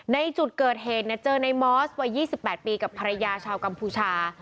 ในจุดเกิดเหตุเจอในมอสวัย๒๘ปีกับภรรยาชาวกัมพูชา